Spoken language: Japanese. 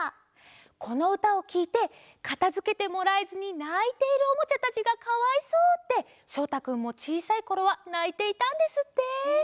このうたをきいてかたづけてもらえずにないているおもちゃたちが「かわいそう」ってしょうたくんもちいさいころはないていたんですって。